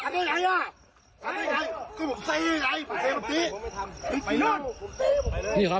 นี่ครับทำร้ายตำรวจนะครับ